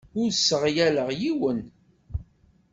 Ur sseɣyaleɣ yiwen.